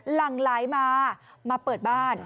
หลังไหลมามาเปิดบ้าน